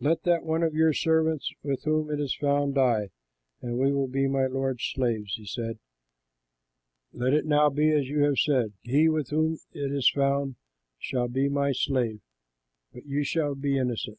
Let that one of your servants with whom it is found die, and we will be my lord's slaves." He said, "Let it now be as you have said: he with whom it is found shall be my slave; but you shall be innocent."